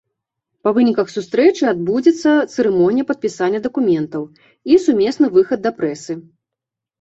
Па выніках сустрэчы адбудзецца цырымонія падпісання дакументаў і сумесны выхад да прэсы.